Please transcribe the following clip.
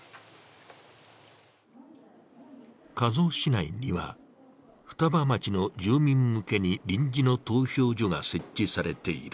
加須市内には、双葉町の住民向けに臨時の投票所が設置されている。